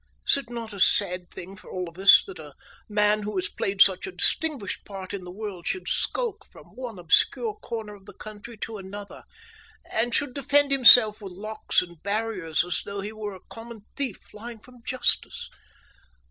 Is it not a sad thing for all of us that a man who has played such a distinguished part in the world should skulk from one obscure corner of the country to another, and should defend himself with locks and barriers as though he were a common thief flying from justice?